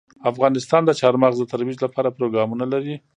افغانستان د چار مغز د ترویج لپاره پروګرامونه لري.